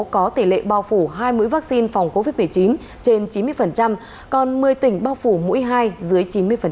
có tỷ lệ bao phủ hai mũi vaccine phòng covid một mươi chín trên chín mươi còn một mươi tỉnh bao phủ mũi hai dưới chín mươi